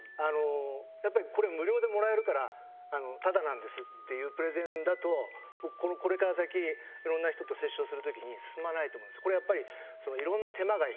やっぱりこれ無料でもらえるからタダなんですっていうプレゼンだとこれから先いろんな人と折衝するときに進まないと思うんです。